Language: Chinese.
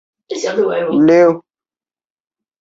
淡红美登木为卫矛科美登木属下的一个种。